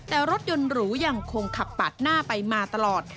แต่รถยนต์หรูยังคงขับปาดหน้าไปมาตลอด